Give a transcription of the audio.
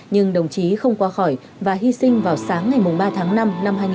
nhưng đồng chí không qua khỏi và hy sinh vào sáng ngày ba tháng năm năm hai nghìn hai mươi